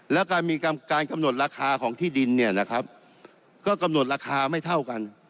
และการมีการกำหนดราคาของที่ดินก็กำหนดราคาไม่เท่ากัน